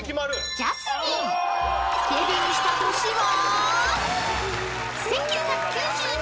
［デビューした年は？］